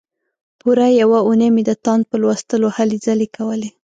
پوره یوه اونۍ مې د تاند په لوستلو هلې ځلې کولې.